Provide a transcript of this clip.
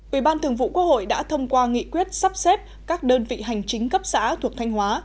ủy ban thường vụ quốc hội đã thông qua nghị quyết sắp xếp các đơn vị hành chính cấp xã thuộc thanh hóa